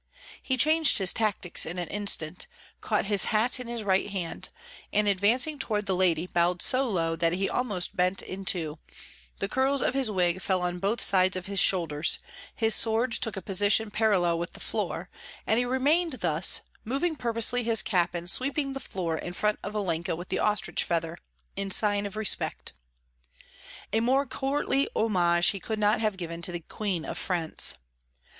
He changed his tactics in an instant, caught his hat in his right hand, and advancing toward the lady bowed so low that he almost bent in two; the curls of his wig fell on both sides of his shoulders, his sword took a position parallel with the floor, and he remained thus, moving purposely his cap and sweeping the floor in front of Olenka with the ostrich feather, in sign of respect. A more courtly homage he could not have given to the Queen of France.